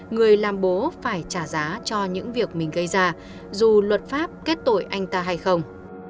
người làm bố phải trả giá cho những việc mình gây ra dù luật pháp kết tội anh ta hay không